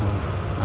bersih ya bu